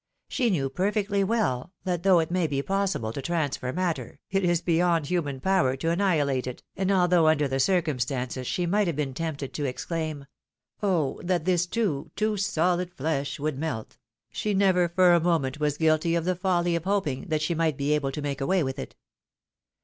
She knew perfectly well, that though it may be possible to transfer matter, it is beyond human power to annihilate it, and although under the circumstances she might have been tempted to exclaim. Oh ! that this too, too solid flesh would melt ! she never for a moment was guilty of the folly of hoping that she might be able to make away with it.